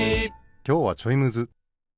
きょうはちょいむず。